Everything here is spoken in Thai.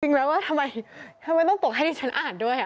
จริงแล้วว่าทำไมต้องตกให้ดิฉันอ่านด้วย